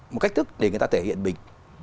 một cách thức để người ta thể hiện bình